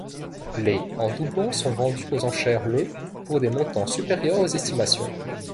Les en doublon sont vendus aux enchères le pour des montants supérieurs aux estimations.